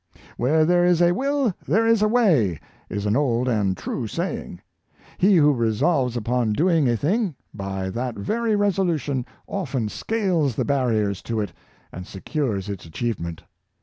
" Where there is a will there is a way," is an old and true sa3^ing. He who resolves upon doing a thing, by Swwarrovj — Napoho7i. 277 that very resolution often scales tne barriers to it, and secures its achievement.